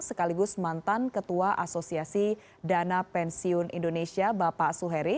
sekaligus mantan ketua asosiasi dana pensiun indonesia bapak suheri